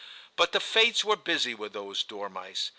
But the fates were busy with those dormice.